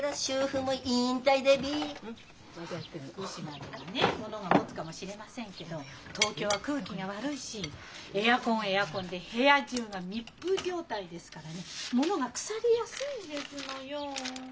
福島ではねものがもつかもしれませんけど東京は空気が悪いしエアコンはエアコンで部屋中が密封状態ですからねものが腐りやすいんですのよ。